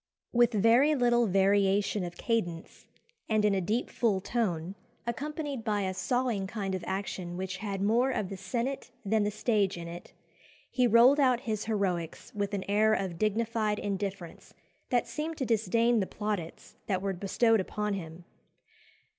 "With very little variation of cadence, and in a deep full tone, accompanied by a sawing kind of action which had more of the senate than the stage in it, he rolled out his heroics with an air of dignified indifference that seemed to disdain the plaudits that were bestowed upon him.